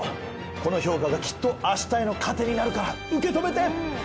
この評価がきっと明日への糧になるから受け止めて！